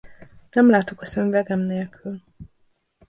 Nem látok a szemüvegem nélkül!